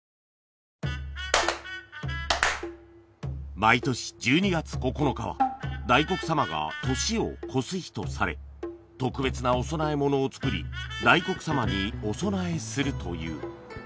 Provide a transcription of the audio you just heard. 毎年１２月９日は大黒様が年を越す日とされ特別なお供え物を作り大黒様にお供えするという